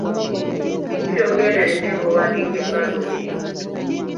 Biki by'ogoberedde ng'owandiika ebbaluwa eyo?